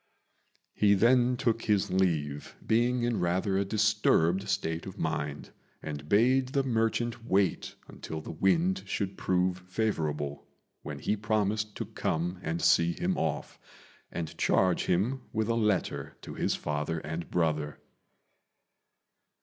He then took his leave, being in rather a disturbed state of mind, and bade the merchant wait until the wind should prove favourable, when he promised to come and see him off, and charge him with a letter to his father and brother.